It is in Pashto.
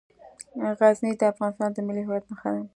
غزني د افغانستان د ملي هویت نښه ده.